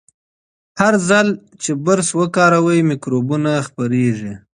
هر ځل چې برس وکاروئ، میکروبونه خپریږي.